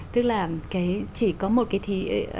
tức là chỉ có một cái